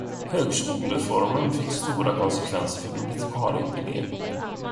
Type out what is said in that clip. Högskolereformen fick stora konsekvenser för bibliotekarieutbildningen.